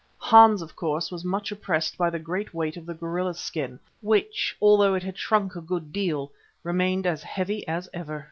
Hans, of course, was much oppressed by the great weight of the gorilla skin, which, although it had shrunk a good deal, remained as heavy as ever.